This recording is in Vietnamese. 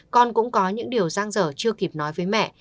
con cũng có những điều giang dở chưa kịp nói với mẹ